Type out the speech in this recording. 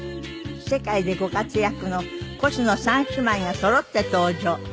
世界でご活躍のコシノ３姉妹がそろって登場。